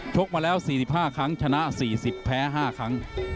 กมาแล้ว๔๕ครั้งชนะ๔๐แพ้๕ครั้ง